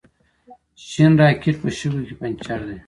شین راکېټ په شګو کې پنجر دی.